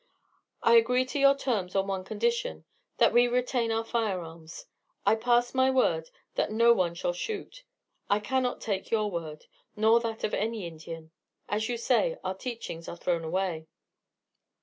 I agree to your terms on one condition: that we retain our firearms. I pass my word that no one shall shoot. I cannot take your word nor that of any Indian. As you say, our teachings are thrown away."